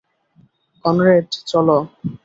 Conrad, চলো।